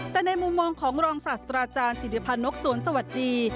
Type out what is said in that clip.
แต่ในมุมมองของรองศาสตราจารย์สิริพันธ์นกสวนสวัสดี